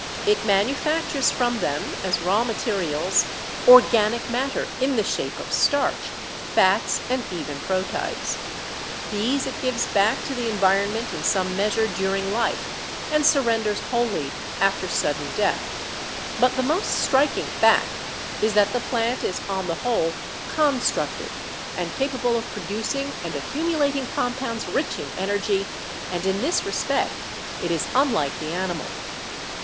It manufactures from them as raw materials organic matter in the shape of starch, fats, and even proteids. These it gives back to the environment in some measure during life, and surrenders wholly after sudden death. But the most striking fact is that the plant is on the whole constructive and capable of producing and accumulating compounds rich in energy and in this respect it is unlike the animal.